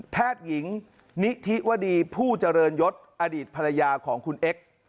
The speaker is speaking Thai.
แพทย์หญิงนิธิวดีผู้เจริญยศอดีตภรรยาของคุณเอ็กซ์